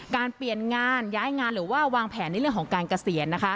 เปลี่ยนงานย้ายงานหรือว่าวางแผนในเรื่องของการเกษียณ